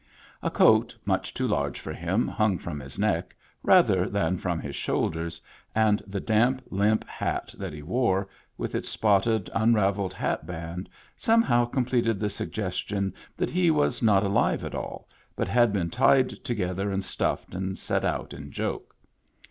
A coat much too large for him hung from his neck rather than from his shoulders, and the damp, limp hat that he wore, with its spotted, unraveled hatband, somehow completed the sug gestion that he was not alive at all, but had been tied together and stuffed and set out in joke.